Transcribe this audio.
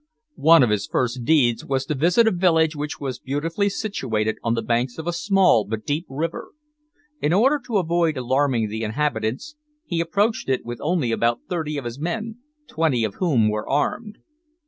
One of his first deeds was to visit a village which was beautifully situated on the banks of a small but deep river. In order to avoid alarming the inhabitants, he approached it with only about thirty of his men, twenty of whom were armed.